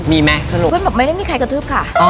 มีมะสรุป